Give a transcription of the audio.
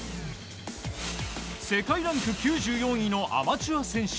世界ランク９４位のアマチュア選手。